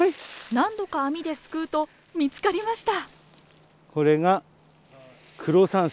何度か網ですくうと見つかりました！